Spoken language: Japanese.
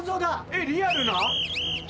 えっリアルな？